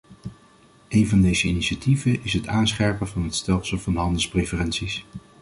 Een van deze initiatieven is het aanscherpen van het stelsel van handelspreferenties.